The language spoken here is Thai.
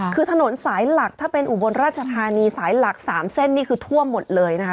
คือถนนสายหลักถ้าเป็นอุบลราชธานีสายหลัก๓เส้นนี่คือท่วมหมดเลยนะคะ